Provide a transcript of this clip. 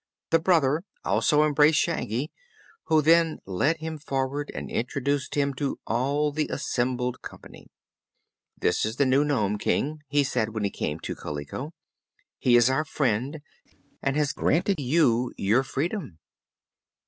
The brother also embraced Shaggy, who then led him forward and introduced him to all the assembled company. "This is the new Nome King," he said when he came to Kaliko. "He is our friend, and has granted you your freedom."